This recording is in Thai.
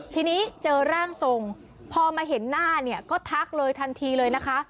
ทีนี้เจอร่างทรงพอมาเห็นหน้าเนี่ยก็ทักเลยทันทีเลยนะคะ